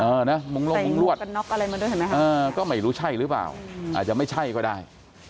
เออนะมุ่งล่วงมุ่งรวดก็ไม่รู้ใช่หรือเปล่าอาจจะไม่ใช่ก็ได้